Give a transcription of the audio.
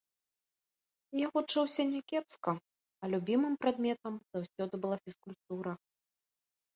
Я вучыўся някепска, а любімым прадметам заўсёды была фізкультура.